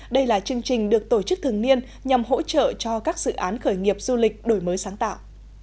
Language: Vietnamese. đây là chương trình được tổ chức thường niên nhằm hỗ trợ cho các dự án khởi nghiệp du lịch đổi mới sáng tạo